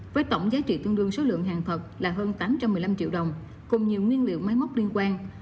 với tổng giá trị tương đương số lượng hàng thật là hơn tám trăm một mươi năm triệu đồng cùng nhiều nguyên liệu máy móc liên quan